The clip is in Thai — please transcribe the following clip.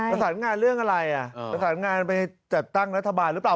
ประสานงานเรื่องอะไรอ่ะประสานงานไปจัดตั้งรัฐบาลหรือเปล่า